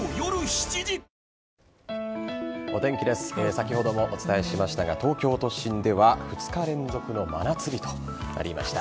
先ほどもお伝えしましたが東京都心では２日連続の真夏日となりました。